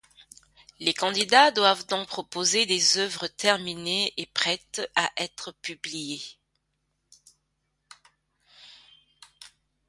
Les candidats doivent donc proposer des œuvres terminées et prêtes à être publiées.